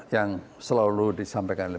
yang selalu disampaikan oleh